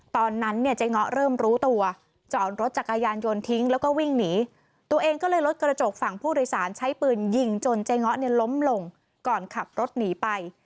ตอนนั้นเนี่ยเจ๊ง้อเริ่มรู้ตัวจอดรถจักรยานยนต์ทิ้งแล้วก็วิ่งหนีตัวเองก็เลยลดกระจกฝั่งผู้โดยสารใช้ปืนยิงจนเจ๊ง้อเนี่ยล้มลงก่อนขับรถหนีไป